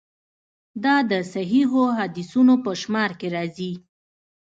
دا د صحیحو حدیثونو په شمار کې راځي.